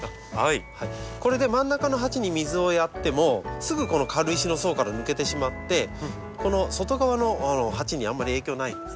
これで真ん中の鉢に水をやってもすぐこの軽石の層から抜けてしまってこの外側の鉢にあんまり影響ないんです。